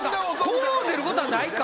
こう出ることはないか。